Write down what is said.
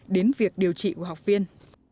đến việc điều trị của học viên